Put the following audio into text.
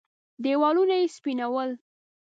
دېوالونه يې سپين ول.